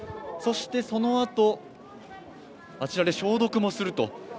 そして、そのあとあちらで消毒もすると。